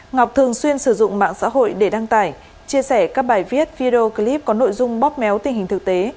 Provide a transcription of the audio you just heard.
ngọc thường xuyên sử dụng mạng xã hội để đăng tải chia sẻ các bài viết video clip có nội dung bóp méo tình hình thực tế